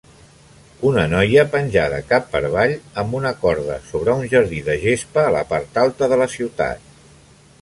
Una noia penjada cap per avall amb una corda sobre una jardí de gespa a la part alta de la ciutat.